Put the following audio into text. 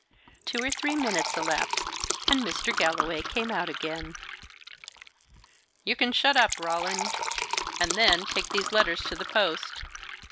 Two or three minutes elapsed, and Mr. Galloway came out again. "You can shut up, Roland. And then, take these letters to the post.